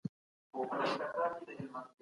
هرې رایې خپل ارزښت درلود.